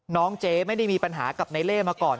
เจ๊ไม่ได้มีปัญหากับในเล่มาก่อน